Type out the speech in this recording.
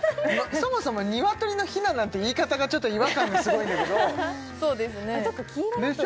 そもそも「ニワトリのひな」なんて言い方がちょっと違和感がすごいんだけどそうですねでしょ